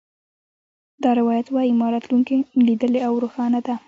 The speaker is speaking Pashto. دا روایت وایي ما راتلونکې لیدلې او روښانه ده